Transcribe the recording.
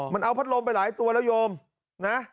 มันเอาพัดลมไปหลายตัวแล้วโยมนะ